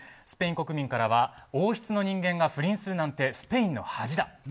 スペイン国民からは王室の人間が不倫するなんてスペインの恥だ。